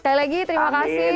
sekali lagi terima kasih